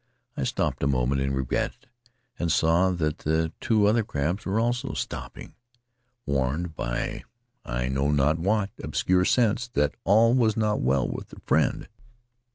I stopped a moment in regret and saw that the two other crabs were also stopping — warned, by I know not what obscure sense, that all was not well with their friend.